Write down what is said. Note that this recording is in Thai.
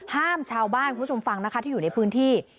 ห้ามชาวบ้านคุณผู้ชมฟังนะคะที่อยู่ในพื้นที่